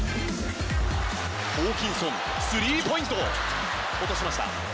ホーキンソンスリーポイント落としました。